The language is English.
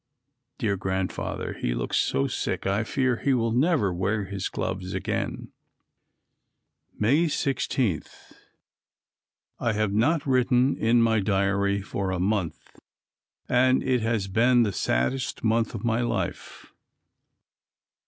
Dear Grandfather! he looks so sick I fear he will never wear his gloves again. May 16. I have not written in my diary for a month and it has been the saddest month of my life.